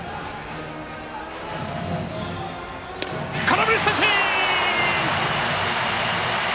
空振り三振！